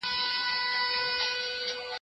زه پرون کتابونه وړم وم